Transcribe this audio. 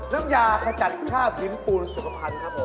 น้ำยาขจัดคราบหินปูนสุขภัณฑ์ครับผม